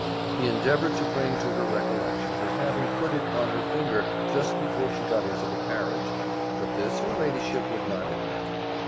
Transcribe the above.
He endeavoured to bring to her recollection her having put it on her finger just before she got into the carriage; but this her ladyship would not admit.